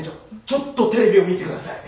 ちょっとテレビを見てください。